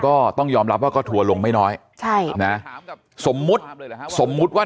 ก็ต้องยอมรับว่าก็ทัวร์ลงไม่น้อยใช่นะสมมุติสมมุติว่า